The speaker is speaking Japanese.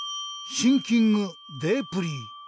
シンキングデープリー。